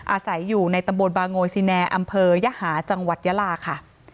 อาศัยอยู่ในตำบลบางโงยซิแนอำเภอยหาจังหวัดยาลาค่ะ